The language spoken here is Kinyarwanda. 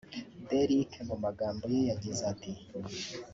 Derick mu magambo ye yagize ati